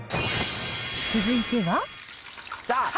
続いては。